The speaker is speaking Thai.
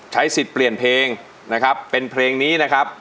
ใช้สิทธิ์เปลี่ยนเพลงนะครับเป็นเพลงนี้นะครับ